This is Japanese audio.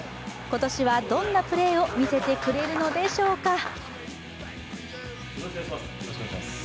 今年はどんなプレーを見せてくれるのでしょうか。